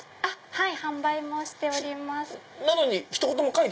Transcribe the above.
はい。